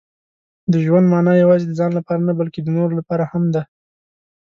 • د ژوند مانا یوازې د ځان لپاره نه، بلکې د نورو لپاره هم ده.